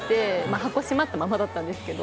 箱閉まったままだったんですけど。